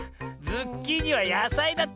ズッキーニはやさいだった。